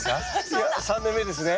いや３年目ですね。